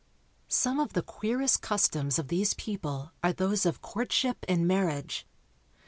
Some of the queerest customs of these people are those of courtship and marriage.